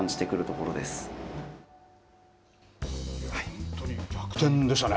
本当に逆転でしたね。